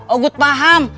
oh gue paham